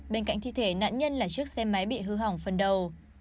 bên cạnh thi thể nạn nhân là chiếc xe máy bị hư hỏng phần đầu